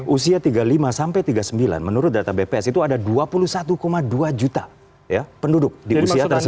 usia tiga puluh lima sampai tiga puluh sembilan menurut data bps itu ada dua puluh satu dua juta penduduk di usia tersebut